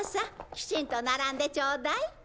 きちんと並んでちょうだい。